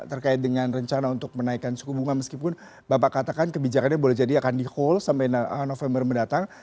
terkait dengan rencana untuk menaikkan suku bunga meskipun bapak katakan kebijakannya boleh jadi akan di hole sampai november mendatang